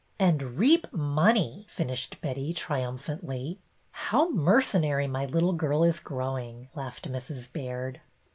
" And reap money," finished Betty, trium phantly. " How mercenary my little girl is growing !" laughed Mrs. Baird.